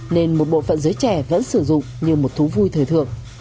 nên một bộ phận giới trẻ vẫn sử dụng như một thú vui thời thượng